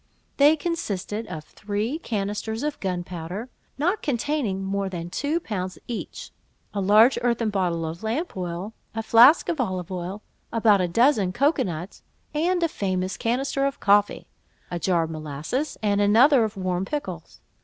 They consisted of three canisters of gunpowder, not containing more than two pounds each; a large earthen bottle of lamp oil, and flask of olive oil; about a dozen cocoa nuts, and a famous canister of coffee; a jar of molasses, and another of warm pickles.